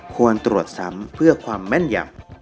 ควรตรวจซ้ำเพื่อความแม่นยำ